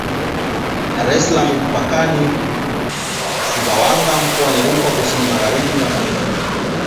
Dar es salaam mpaka Sumbawanga mkoani Rukwa kusini magharibi mwa Tanzania